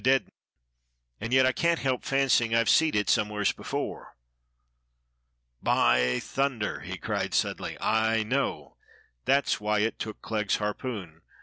dead 'un — and yet I can't help fancying I've seed it somewheres before. By thunder!" he cried suddenly, "I know. That's why it took Clegg's harpoon.